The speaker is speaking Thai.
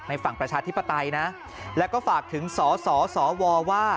ฝั่งประชาธิปไตยนะแล้วก็ฝากถึงสสวว่า